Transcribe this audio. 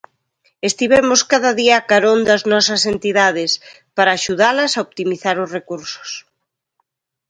Estivemos cada día a carón das nosas entidades, para axudalas a optimizar os recursos.